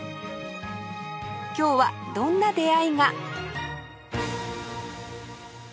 今日はどんな出会いが？